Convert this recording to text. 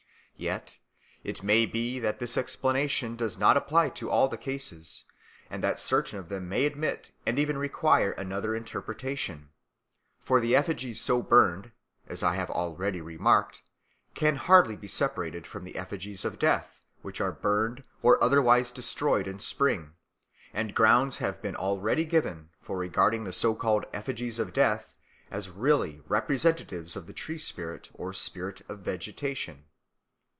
Yet it may be that this explanation does not apply to all the cases, and that certain of them may admit and even require another interpretation. For the effigies so burned, as I have already remarked, can hardly be separated from the effigies of Death which are burned or otherwise destroyed in spring; and grounds have been already given for regarding the so called effigies of Death as really representatives of the tree spirit or spirit of vegetation.